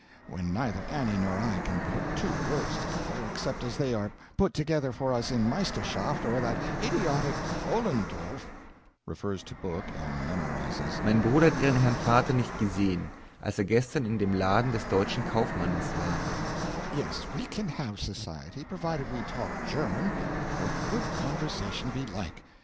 when neither Annie nor I can put two words together, except as they are put together for us in Meisterschaft or that idiotic Ollendorff! (Refers to book, and memorises: Mein Bruder hat Ihren Herrn Vater nicht gesehen, als er gestern in dem Laden des deutschen Kaufmannes war.) Yes, we can have society, provided we talk German. What would conversation be like!